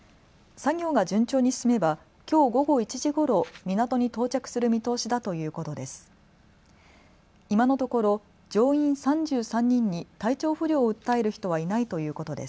作業が順調に進めばきょう午後１時ごろ、港に到着する見通しだということです。